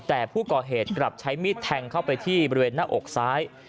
แต่ผู้ก่อเหตุกลับใช้มีดแทงเข้าไปที่บริเวณหน้าอกซ้าย